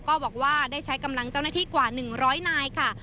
ก็บอกว่าได้ใช้กำลังเจ้าหน้าที่กว่า๑๐๐นายค่ะ